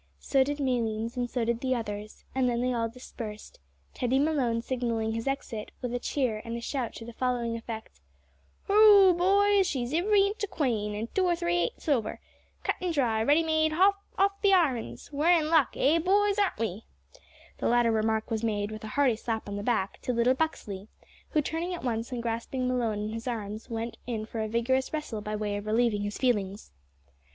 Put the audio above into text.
So did Malines, and so did the others, and then they all dispersed Teddy Malone signalling his exit with a cheer and a shout to the following effect "Hooroo! boys she's ivvery inch a quane, an' two or three eighths over cut an' dry, ready made, hot off the irons! We're in luck eh! boys, aren't we?" The latter remark was made, with a hearty slap on the back, to little Buxley, who, turning at once and grasping Malone in his arms, went in for a vigorous wrestle by way of relieving his feelings.